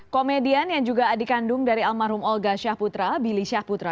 komedian yang juga adik kandung dari almarhum olga syahputra billy syahputra